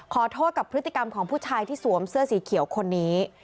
ขอโทษกับพฤติกรรมของผู้ชายที่สวมเสื้อสีเขียวคนนี้